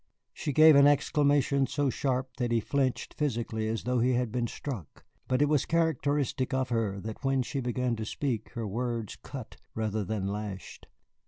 She gave an exclamation so sharp that he flinched physically, as though he had been struck. But it was characteristic of her that when she began to speak, her words cut rather than lashed.